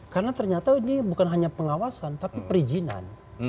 karena ternyata ini bukan hanya pengawasan tapi perizinan